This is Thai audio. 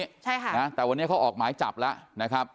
ใช่ค่ะนะแต่วันนี้เขาออกหมายจับแล้วนะครับ